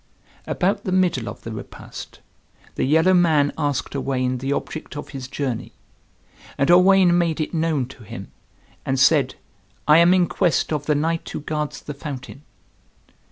About the middle of the repast the yellow man asked Owain the object of his journey. And Owain made it known to him, and said, "I am in quest of the knight who guards the fountain."